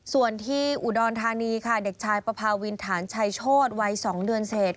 ส่วนที่อุดรธานีค่ะเด็กชายปภาวินฐานชัยโชธวัย๒เดือนเศษ